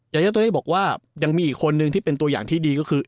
ยายาตัวนี้บอกว่ายังมีอีกคนนึงที่เป็นตัวอย่างที่ดีก็คือ